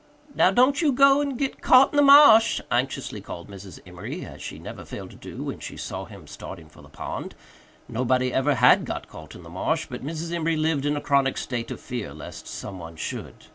"Now don't you go and get caught in the ma'sh," anxiously called Mrs. Emory, as she never failed to do when she saw him starting for the pond. Nobody ever had got caught in the marsh, but Mrs. Emory lived in a chronic state of fear lest someone should.